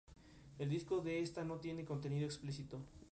El disco de esta no tiene contenido explícito.